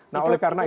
nah oleh karena itu